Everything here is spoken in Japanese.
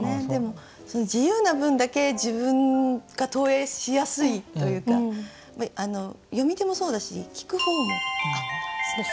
でも自由な分だけ自分が投影しやすいというか詠み手もそうだし聞く方も。